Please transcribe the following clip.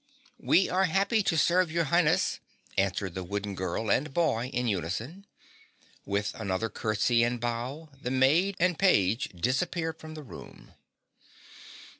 "We are happy to serve your Highness," answered the wooden girl and boy in unison. With another curtsy and bow the maid and page disappeared from the room.